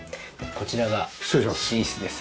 こちらが寝室です。